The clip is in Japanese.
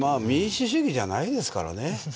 民主主義じゃないですからね。